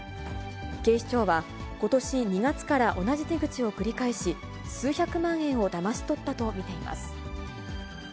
警視庁は、ことし２月から同じ手口を繰り返し、数百万円をだまし取ったと見ています。